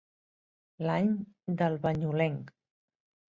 L'any del banyulenc.